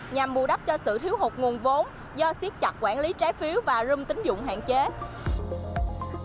nhằm bù đắp cho sự thiếu hụt nguồn vốn do siết chặt quản lý trái phiếu và rum tính dụng hạn chế